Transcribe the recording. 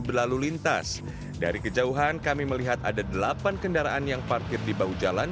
berlalu lintas dari kejauhan kami melihat ada delapan kendaraan yang parkir di bahu jalan